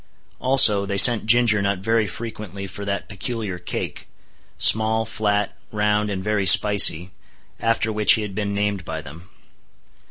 Also, they sent Ginger Nut very frequently for that peculiar cake—small, flat, round, and very spicy—after which he had been named by them.